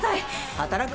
働く？